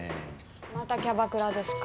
またキャバクラですか？